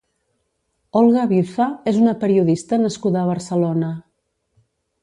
Olga Viza és una periodista nascuda a Barcelona.